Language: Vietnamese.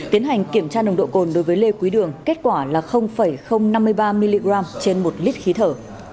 tiến hành kiểm tra nồng độ cồn đối với lê quý đường kết quả là năm mươi ba mg trên một lít khí thở